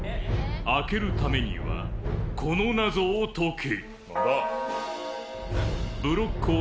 開けるためには、この謎を解け。